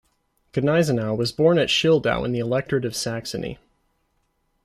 Gneisenau was born at Schildau in the Electorate of Saxony.